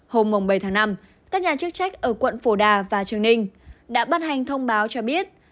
hôm bảy tháng năm các nhà chức trách ở quận phổ đà và trường ninh đã bắt hành thông báo cho biết